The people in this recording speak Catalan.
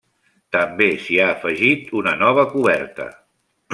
També s'hi ha afegit una nova coberta.